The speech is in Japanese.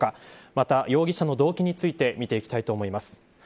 また容疑者の動機について見ていきたいと思います。